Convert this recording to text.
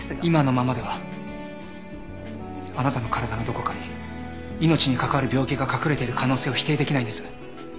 今のままではあなたの体のどこかに命に関わる病気が隠れている可能性を否定できないんです。